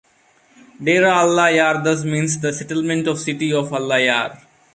Dera Allah Yar thus means the settlement or city of Allah Yar.